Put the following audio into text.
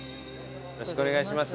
よろしくお願いします。